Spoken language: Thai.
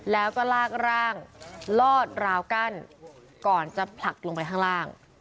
แล้วก็ลากร่างลอดราวกั้นก่อนจะผลักลงไปข้างล่าง